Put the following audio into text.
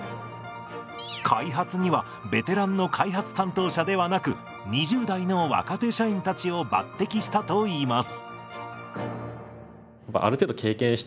開発にはベテランの開発担当者ではなく２０代の若手社員たちを抜てきしたといいます。